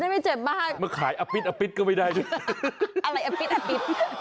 มันจะรับกันไม่ได้